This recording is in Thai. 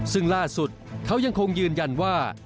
ซึ่งล่าสุดเขายังคงยืนยันว่า